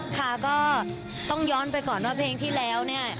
ค่ะก็ต้องย้อนไปก่อนว่าเพลงที่แล้วเนี่ย